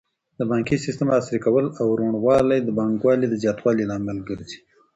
د بانکي سیسټم عصري کول او روڼوالی د پانګونې د زیاتوالي لامل ګرځي.